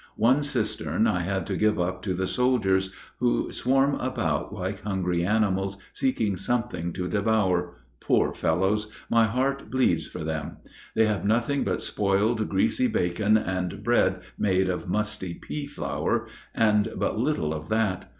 One cistern I had to give up to the soldiers, who swarm about like hungry animals seeking something to devour. Poor fellows! my heart bleeds for them. They have nothing but spoiled, greasy bacon, and bread made of musty pea flour, and but little of that.